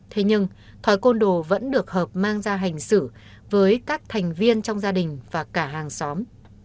thế nhưng thói côn đồ vẫn được hợp mang ra hành xử với các thành viên trong gia đình và cả hàng xóm